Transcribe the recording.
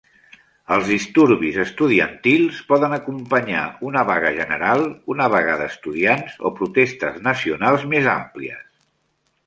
Els disturbis estudiantils poden acompanyar una vaga general, una vaga d'estudiants o protestes nacionals més àmplies.